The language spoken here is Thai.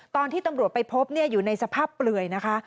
ตอนที่ตำรวจไปพบอยู่ในสภาพเปลือยนะคะ